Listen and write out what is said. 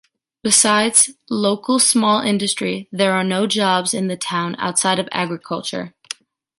Besides local small industry, there are no jobs in the town outside of agriculture.